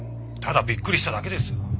ただびっくりしただけですよ。